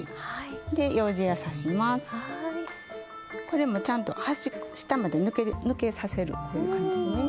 これもちゃんと端っこ下まで抜けさせるこういう感じでね。